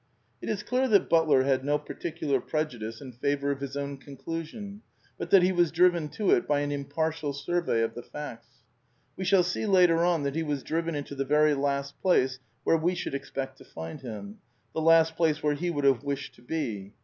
It is clear that Butler had no particular prejudice in favour of his own conclusion, but that he was driven to it by an impartial survey of the facts. We shall see later on that he was driven into the very last place where we should expect to find him, the last place where he would have wished to be.